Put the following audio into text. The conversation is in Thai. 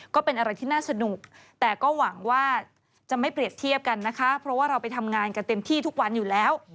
ก็เป็นอะไรที่น่าสนุกแต่ก็หวังว่าจะไม่เปรียบเทียบกันนะคะเพราะว่าเราไปทำงานกันเต็มที่ทุกวันอยู่แล้ว